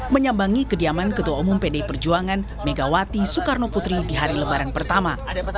menyambangi kediaman ketua umum pdi perjuangan megawati soekarno putri di hari lebaran pertama